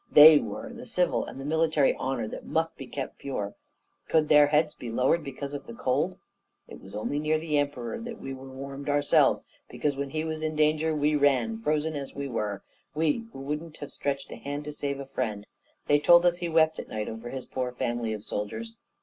they were the civil and the military honour that must be kept pure; could their heads be lowered because of the cold? It was only near the Emperor that we warmed ourselves, because when he was in danger we ran, frozen as we were we, who wouldn't have stretched a hand to save a friend. They told us he wept at night over his poor family of soldiers.